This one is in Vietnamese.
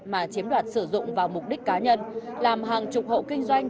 mà chiếm đoạt sử dụng vào mục đích cá nhân làm hàng chục hộ kinh doanh